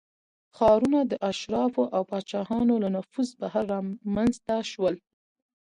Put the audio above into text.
ښارونه د اشرافو او پاچاهانو له نفوذ بهر رامنځته شول